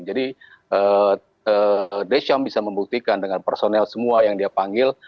jadi deschamps bisa membuktikan dengan personel semua yang dia panggil